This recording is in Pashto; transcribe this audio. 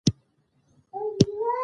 ته مې په کږه خوله پورې خاندې .